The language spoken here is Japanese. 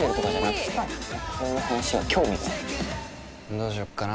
どうしよっかな？